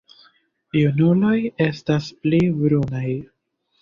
Junuloj estas pli brunaj.